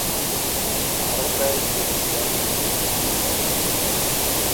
Die Arbeit wird ehrenamtlich geleistet.